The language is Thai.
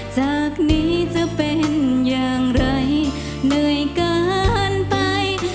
จากนี้จะเป็นอย่างไรเหนื่อยเกินไป